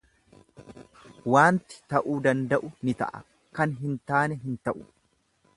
Waanti ta'uu danda'u ni ta'a, kan hin taane hin ta'u.